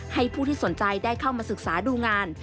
ให้ผู้ที่สนใจได้เข้ามาศึกษาดูงาน